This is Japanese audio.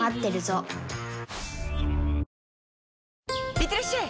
いってらっしゃい！